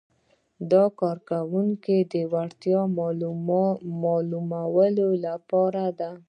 دا د کارکوونکي د وړتیا معلومولو لپاره ده.